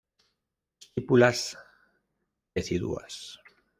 Estípulas deciduas.